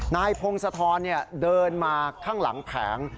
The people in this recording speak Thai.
นายพงศธรเดินมาข้างหลังแผง